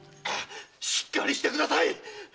しっかりしてください！